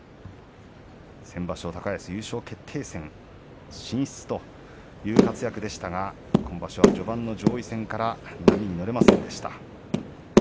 先場所、高安、優勝決定戦進出という活躍でしたが今場所は序盤の上位戦から波に乗れませんでした。